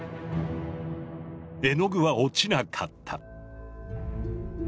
絵の具は落ちなかった。